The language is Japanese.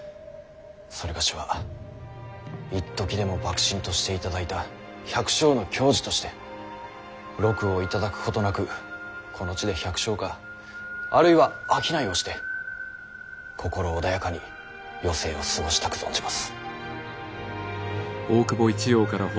某はいっときでも幕臣としていただいた百姓の矜持として禄を頂くことなくこの地で百姓かあるいは商いをして心穏やかに余生を過ごしたく存じます。